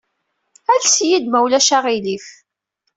Ales-iyi-d, ma ulac aɣilif.